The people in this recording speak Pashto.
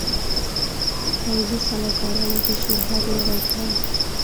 پوځي سلاکارانو پېشنهاد نه دی کړی.